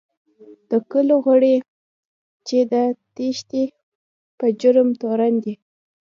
د کلو غړي چې د تېښتې په جرم تورن دي.